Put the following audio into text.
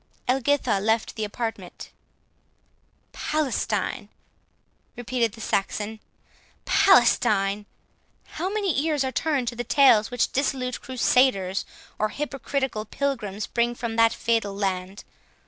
Elgitha left the apartment. "Palestine!" repeated the Saxon; "Palestine! how many ears are turned to the tales which dissolute crusaders, or hypocritical pilgrims, bring from that fatal land!